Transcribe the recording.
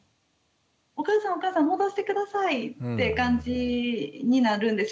「お母さんお母さん戻して下さい」って感じになるんですよね。